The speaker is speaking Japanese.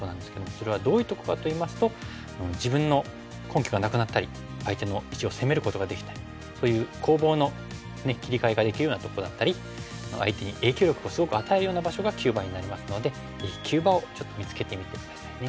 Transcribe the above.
それはどういうとこかといいますと自分の根拠がなくなったり相手の石を攻めることができたりそういう攻防の切り替えができるようなとこだったり相手に影響力をすごく与えるような場所が急場になりますのでぜひ急場をちょっと見つけてみて下さいね。